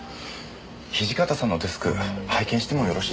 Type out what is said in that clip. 土方さんのデスク拝見してもよろしいでしょうか？